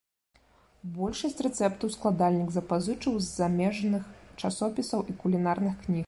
Большасць рэцэптаў складальнік запазычыў з замежных часопісаў і кулінарных кніг.